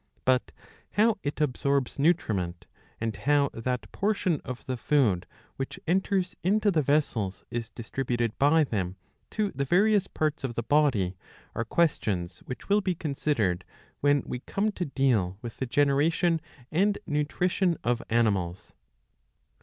But how it absorbs nutriment, and how that portion of the food which enters into the vessels is dis tributed by them to the various parts of the body, are. questions which will be considered when we come to deal with the generation and nutrition of animals.'